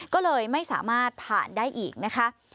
ก็เลยไม่สามารถผ่านได้อีกนะคะ